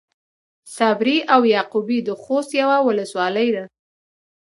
صبري او يعقوبي د خوست يوۀ ولسوالي ده.